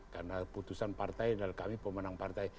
karena putusan partai dan kami pemenang partai